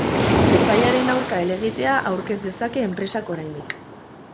Epaiaren aurka helegitea aurkez dezake enpresak oraindik.